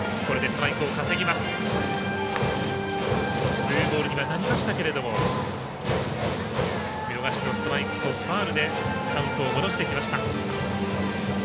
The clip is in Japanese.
ツーボールにはなりましたけど見逃しのストライクとファウルでカウントを戻してきました。